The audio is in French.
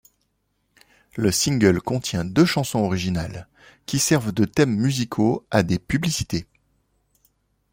Le single contient deux chansons originales, qui servent de thèmes musicaux à des publicités.